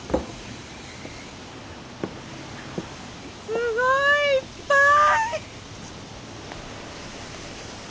すごいいっぱい！